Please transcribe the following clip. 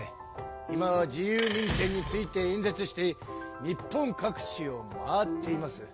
今は自由民権について演説して日本各地を回っています。